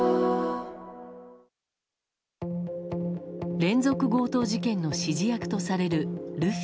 連続強盗事件の指示役とされるルフィ。